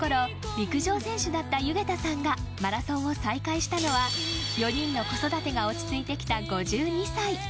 陸上選手だった弓削田さんがマラソンを再開したのは４人の子育てが落ち着いてきた５２歳。